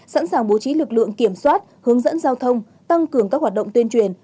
sẵn sàng bố trí lực lượng kiểm soát hướng dẫn giao thông tăng cường các hoạt động tuyên truyền